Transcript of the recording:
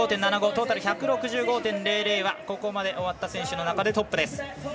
トータル１６５．００はここまで終わった選手の中でトップです。